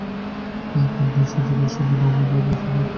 পরের দিন সূর্যোদয়ের সময় নমরূদ তার সৈন্য-সামন্তের সমাবেশ ঘটালো।